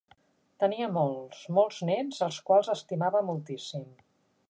Tenia molts, molts nets, als quals estimava moltíssim.